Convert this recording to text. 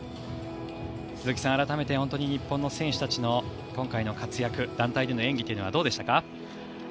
鈴木さん、改めて本当に日本の選手たちの今回の活躍団体での演技というのはどうでしたか？